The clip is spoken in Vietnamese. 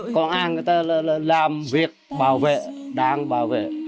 còn ai người ta làm việc bảo vệ đáng bảo vệ